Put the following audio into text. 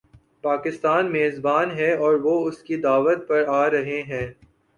پاکستان میزبان ہے اور وہ اس کی دعوت پر آ رہے ہیں۔